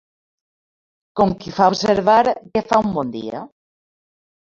Com qui fa observar que fa un bon dia